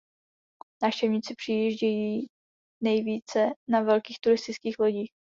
Návštěvníci přijíždějí nejvíce na velkých turistických lodích.